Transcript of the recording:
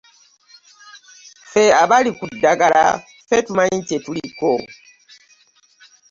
Ffe abali ku ddagala ffe tumanyi kye tuliko.